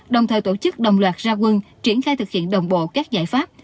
đồng thời tổ chức đồng loạt ra quân triển khai thực hiện đồng bộ các giải pháp